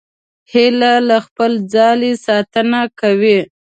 هیلۍ د خپل ځاله ساتنه کوي